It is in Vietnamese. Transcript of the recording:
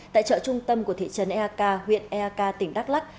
tại chợ trung tâm của thị trấn eak huyện eak tỉnh đắk lắc